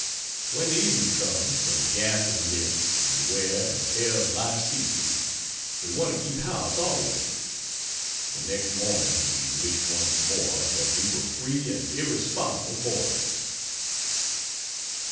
When the evening comes and the gas is lit and the wear and tear of life ceases, we want to keep house always; but next morning we wish, once more, that we were free and irresponsible boarders.